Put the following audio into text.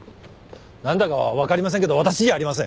何だか分かりませんけど私じゃありません。